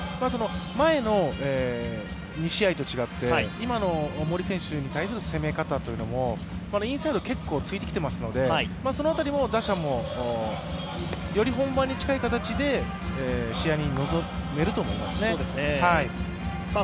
前の２試合と違って、今の森選手に対する攻め方もインサイド、結構突いてきてますのでその辺りも打者もより本番に近い形で試合に臨めると思いますね。